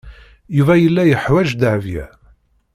Yuba yella yeḥwaj Dahbiya.